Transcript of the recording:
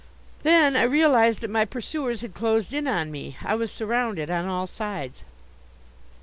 Then I realized that my pursuers had closed in on me. I was surrounded on all sides.